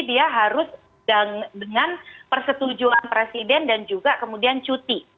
dia harus dengan persetujuan presiden dan juga kemudian cuti